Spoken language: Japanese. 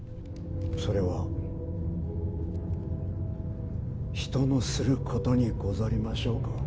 それは人のすることにござりましょうか？